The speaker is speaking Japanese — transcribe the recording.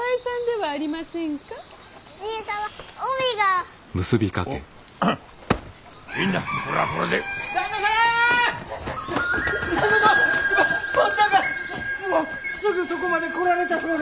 もうすぐそこまで来られたそうで！